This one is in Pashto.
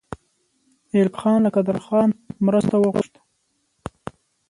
ایلک خان له قدرخان مرسته وغوښته.